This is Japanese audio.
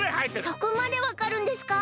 そこまでわかるんですか？